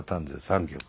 ３曲。